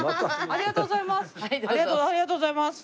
ありがとうございます。